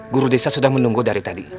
guru desa sudah menunggu dari tadi